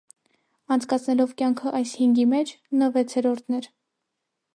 Անցկացնելով կյանքը այս հինգի մեջ, նա վեցերորդն էր։